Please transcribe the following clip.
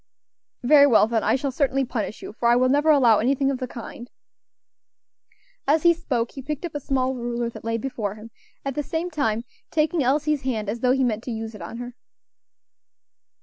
"Very well, then, I shall certainly punish you, for I will never allow anything of the kind." As he spoke he picked up a small ruler that lay before him, at the same time taking Elsie's hand as though he meant to use it on her.